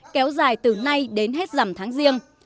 kéo dài từ nay đến hết dầm tháng riêng